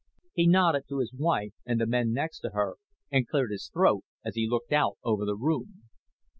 He nodded to his wife and the men next to her and cleared his throat as he looked out over the room.